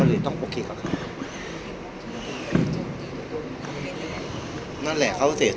พี่อัดมาสองวันไม่มีใครรู้หรอก